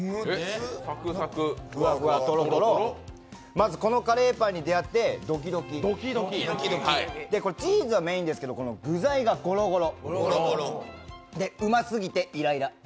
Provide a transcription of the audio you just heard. まずこのカレーパンに出会ってドキドキ、で、チーズがメインですけど、具材がゴロゴロ。